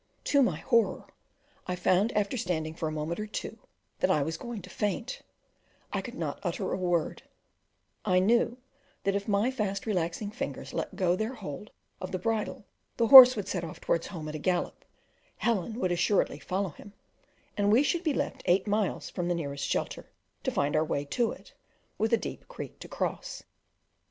To my horror I found after standing for a moment or two, that I was going to faint; I could not utter a word; I knew that if my fast relaxing fingers let go their hold of the bridle the horse would set off towards home at a gallop, Helen would assuredly follow him, and we should be left eight miles from the nearest shelter to find our way to it, with a deep creek to cross.